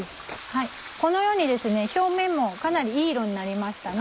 このように表面もかなりいい色になりましたね。